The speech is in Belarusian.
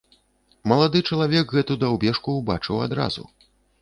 Малады чалавек гэту даўбешку ўбачыў адразу.